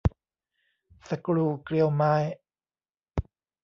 สกรูเกลียวไม้